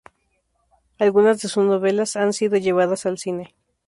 Algunas de sus novelas han sido llevadas al cine.